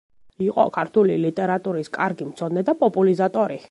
იყო ქართული ლიტერატურის კარგი მცოდნე და პოპულარიზატორი.